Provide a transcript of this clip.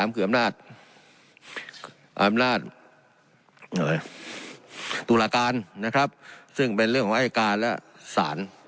คืออำนาจอำนาจตุลาการนะครับซึ่งเป็นเรื่องของอายการและศาล